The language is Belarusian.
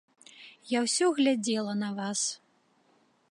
Я ўсё глядзела на вас.